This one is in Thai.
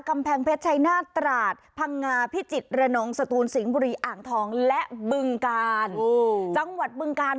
กำแพงเพชรชัยนาตราดภังงาพิจิตรรนองศตูลสิงค์บุรีอ่างทองและบึงกาล